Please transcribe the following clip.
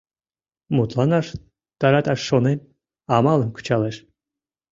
Мутланаш тараташ шонен, амалым кычалеш.